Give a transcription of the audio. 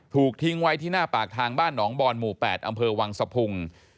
ถูกทิ้งไว้ที่หน้าปากทางบ้านหนองบอนหมู่๘อำเภอวังสะพุง